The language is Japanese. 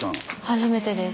初めてです。